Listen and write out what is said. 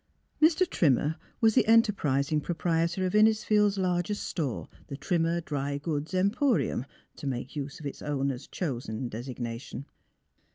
Mr. Trimmer was the enterprising proprietor of Innisfield's largest store: The Trimmer Dry Goods Emporium, to make use of its owner's chosen designation.